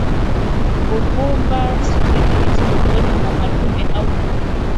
Ugumba sterility miongoni mwa madume au ndume